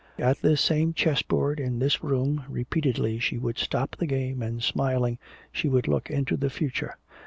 At this same chessboard, in this room, repeatedly she would stop the game and smiling she would look into the future.